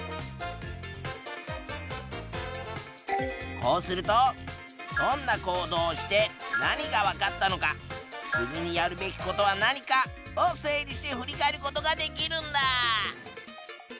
こうするとどんな行動をして何がわかったのか次にやるべきことは何かを整理して振り返ることができるんだ！